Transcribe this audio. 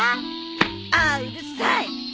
ああうるさい！